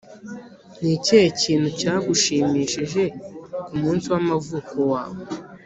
ni ikihe kintu cyagushimishije ku munsi wamavuko wawe